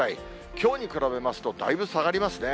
きょうに比べますとだいぶ下がりますね。